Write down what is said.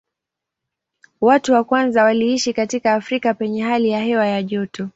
Watu wa kwanza waliishi katika Afrika penye hali ya hewa ya joto.